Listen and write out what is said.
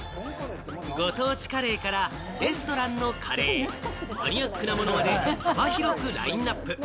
ご当地カレーからレストランのカレー、マニアックなものまで幅広くラインナップ。